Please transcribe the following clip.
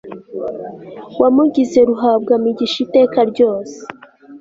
wamugize ruhabwamigisha iteka ryose